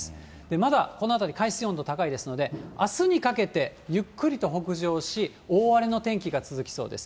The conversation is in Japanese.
まだこの辺り海水温度高いですので、あすにかけて、ゆっくりと北上し、大荒れの天気が続きそうです。